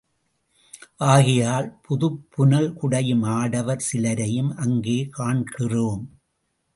ஆகையால் புதுப் புனல் குடையும் ஆடவர் சிலரையும் அங்கே காண்கிறோம்.